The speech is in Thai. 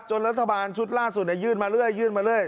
จนรัฐบาลชุดล่าสุดยื่นมาเรื่อย